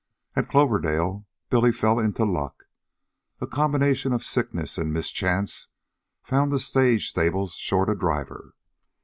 At Cloverdale, Billy fell into luck. A combination of sickness and mischance found the stage stables short a driver.